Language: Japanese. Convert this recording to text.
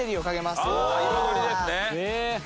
彩りですね。